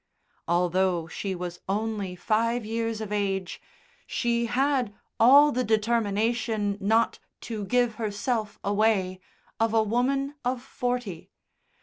Although she was only five years of age, she had all the determination not "to give herself away" of a woman of forty.